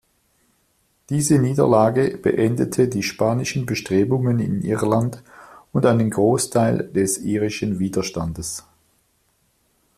Diese Niederlage beendete die spanischen Bestrebungen in Irland und einen Großteil des irischen Widerstandes.